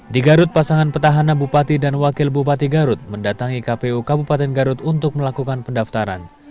di garut pasangan petahana bupati dan wakil bupati garut mendatangi kpu kabupaten garut untuk melakukan pendaftaran